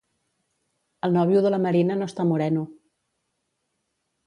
El novio de la Marina no està moreno.